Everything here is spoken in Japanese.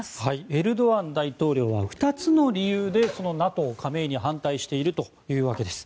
エルドアン大統領は２つの理由でＮＡＴＯ加盟に反対しているというわけです。